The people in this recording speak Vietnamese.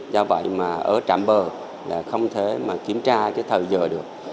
do vậy mà ở trạm bờ là không thể kiểm tra thời giờ được